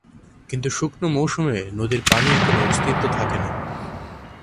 কিন্তু শুকনো মৌসুমে নদীতে পানির কোনো অস্তিত্ব থাকে না।